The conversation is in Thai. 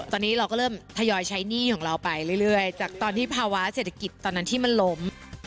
ตอนนี้เราก็เริ่มทยอยใช้หนี้ของเราไปเรื่อยจากตอนที่ภาวะเศรษฐกิจตอนนั้นที่มันล้ม